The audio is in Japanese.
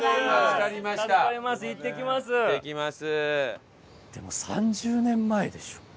いってきます。